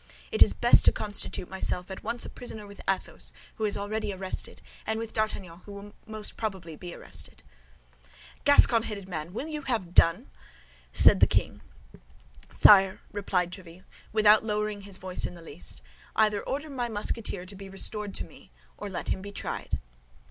It is best to constitute myself at once a prisoner with Athos, who is already arrested, and with D'Artagnan, who most probably will be." "Gascon headed man, will you have done?" said the king. "Sire," replied Tréville, without lowering his voice in the least, "either order my Musketeer to be restored to me, or let him be tried."